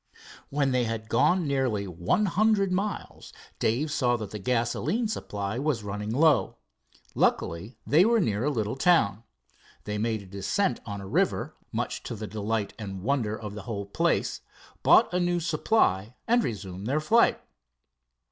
When they had gone nearly one hundred miles, Dave saw that the gasoline supply was running low. Luckily they were near a little town. They made a descent on a river, much to the delight and wonder of the whole place, bought a new supply, and resumed their flight.